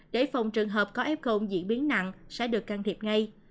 để phòng trường hợp có f diễn biến nặng sẽ được can thiệp ngay